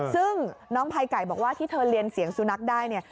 ซึ่งน้องไพไก่ไก่บอกว่าที่เธอเรียนเสียงสุนัขได้เนี่ย